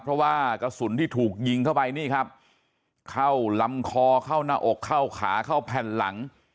เพราะว่ากระสุนที่ถูกยิงเข้าไปนี่ครับเข้าลำคอเข้าหน้าอกเข้าขาเข้าแผ่นหลัง